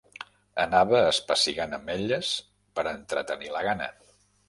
Anava espessigant ametlles per entretenir la gana.